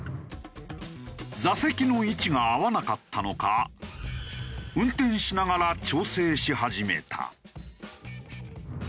座席の位置が合わなかったのか運転しながら調整し始めた。